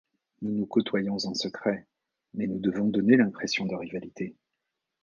Nous nous côtoyons en secret, mais nous devons donner l’impression de rivalité.